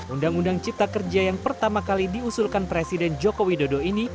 undang undang cipta kerja yang pertama kali diusulkan presiden joko widodo ini